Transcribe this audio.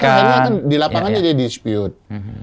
karena kan di lapangannya jadi dispute